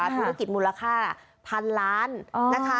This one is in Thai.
ธุรกิจมูลค่าพันล้านนะคะ